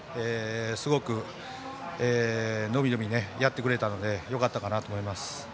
すごくのびのびやってくれたのでよかったなと思います。